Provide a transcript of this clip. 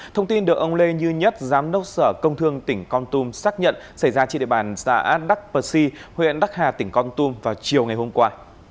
thông tin được ông lê như nhất giám đốc sở công thương tỉnh con tum xác nhận xảy ra trên địa bàn xã đắc pi huyện đắc hà tỉnh con tum vào chiều ngày hôm qua